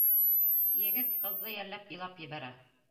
Егет ҡыҙҙы йәлләп илап ебәрә.